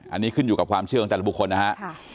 อันนี้ขึ้นอยู่กับความเชื่อของแต่ละบุคคลนะฮะ